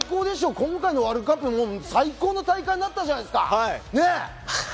今回のワールドカップ最高の大会になったじゃないですか。